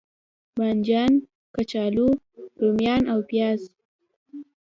بانجان، کچالو، روميان او پیاز